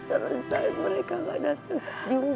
sampai pemakaman ramah